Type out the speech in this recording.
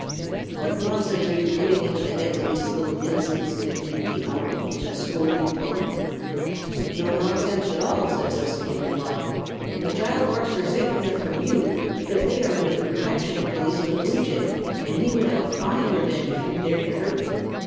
"What nonsense are you putting into the heads of these little innocents?" continued the owl, in a scolding tone. "No nonsense at all," said Wisk, in reply. "The child larks are safe enough from you, because they are under the protection of Policeman Bluejay, and he would have a fine revenge if you dared to hurt them.